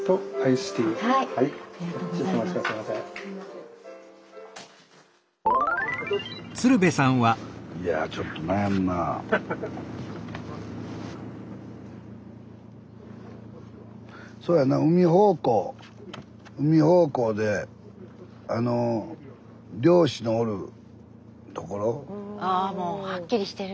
スタジオああもうはっきりしてる。